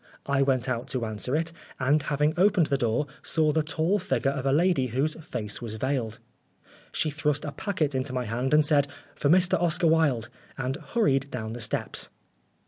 I went out to answer it, . and having opened the door, saw the tall figure of a lady whose face was veiled. She thrust a packet into my hand and said, " For Mr. Oscar Wilde," and hurried down the steps.